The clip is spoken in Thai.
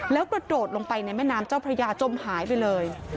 แล้วกระโดดลงไปในแม่น้ำเจ้าพระยาจมหายไปเลย